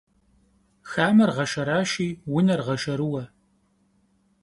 Xamer ğeşşeraşşi vuner ğeşşerıue.